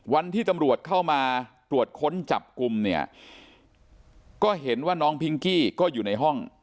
วันที่ตำรวจเข้ามาตรวจค้นจับกลุ่มเนี่ยก็เห็นว่าน้องพิงกี้ก็อยู่ในห้อง